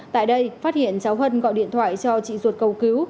tại đây phát hiện cháu hân gọi điện thoại cho chị ruột cầu cứu